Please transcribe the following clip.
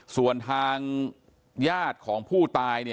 ส่วนทางญาติของผู้ตาย